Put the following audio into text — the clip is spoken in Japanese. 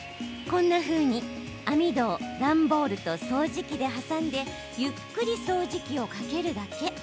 こんなふうに網戸を段ボールと掃除機で挟んでゆっくり掃除機をかけるだけ。